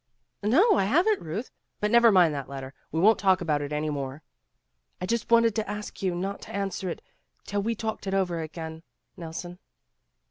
"No, I haven't, Euth. But never mind that letter. We won't talk about it any more." "I just wanted to ask you not to answer it till we'd talked it over again, Nelson."